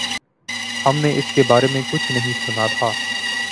ہم نے اس کے بارے میں کچھ نہیں سنا تھا۔